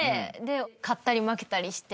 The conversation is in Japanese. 勝ったり負けたりして。